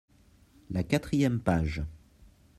la quatrième page.